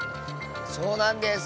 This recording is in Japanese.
そうなんです！